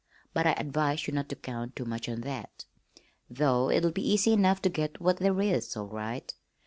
But I advise you not to count too much on that, though it'll be easy enough to get what there is, all right.